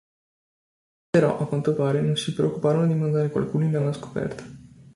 Però, a quanto pare, non si preoccuparono di mandare qualcuno in avanscoperta.